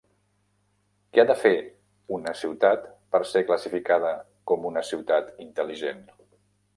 Què ha de fer una ciutat per ser classificada com una Ciutat Intel·ligent?